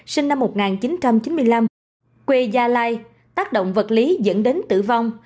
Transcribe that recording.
sinh năm một nghìn chín trăm chín mươi năm quê gia lai tác động vật lý dẫn đến tử vong